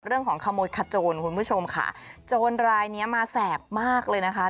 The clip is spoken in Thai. เรื่องของขโมยขโจรคุณผู้ชมค่ะโจรรายเนี้ยมาแสบมากเลยนะคะ